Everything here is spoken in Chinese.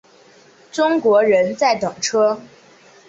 中国人在等车